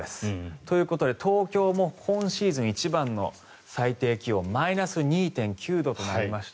ということで東京も今シーズン一番の最低気温マイナス２．９度となりました。